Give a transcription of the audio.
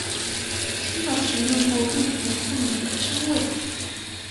清朝时用作贵族妇女的称谓。